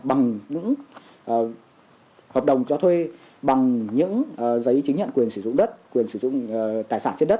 bằng những hợp đồng cho thuê bằng những giấy chứng nhận quyền sử dụng đất quyền sử dụng tài sản trên đất